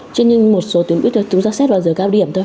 chứ nhưng một số tuyến buýt chúng ta xét vào giờ cao điểm thôi